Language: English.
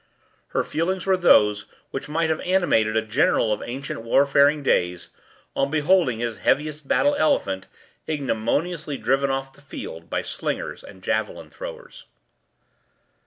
Her feelings were those which might have animated a general of ancient warfaring days, on beholding his heaviest battle elephant ignominiously driven off the field by slingers and javelin throwers.